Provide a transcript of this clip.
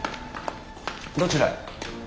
どちらへ？